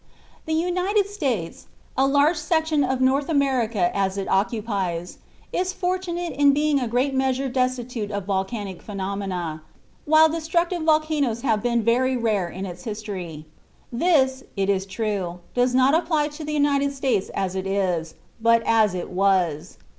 The United States, large a section of North America as it occupies, is fortunate in being in a great measure destitute of volcanic phenomena, while destructive earthquakes have been very rare in its history. This, it is true, does not apply to the United States as it is, but as it was.